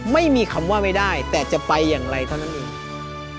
ไม่มีคำว่าไม่ได้แต่จะไปอย่างไรเท่านั้นเอง